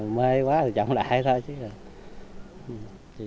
mê quá thì trọng đại thôi chứ